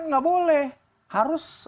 nggak boleh harus